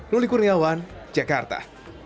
nuli kurniawan jakarta